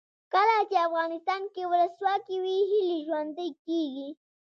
کله چې افغانستان کې ولسواکي وي هیلې ژوندۍ کیږي.